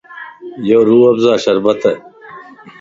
يو روح افزاء شربت ا